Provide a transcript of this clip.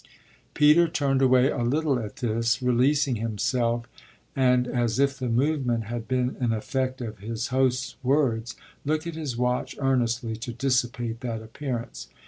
Peter turned away a little at this, releasing himself, and, as if the movement had been an effect of his host's words, looked at his watch earnestly to dissipate that appearance.